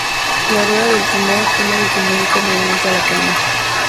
La rueda del timón es la que comunica el movimiento a la caña.